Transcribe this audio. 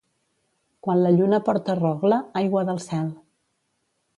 Quan la lluna porta rogle, aigua del cel.